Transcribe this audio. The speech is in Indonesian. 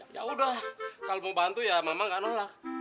yaudah kalau mau bantu ya memang nggak nolak